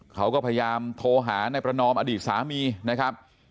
เขาก็พยายามโทรหานายประนอมอดีตสามีนะครับ